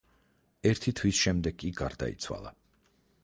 ერთი თვის შემდეგ კი გარდაიცვალა.